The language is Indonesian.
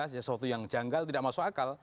sesuatu yang janggal tidak masuk akal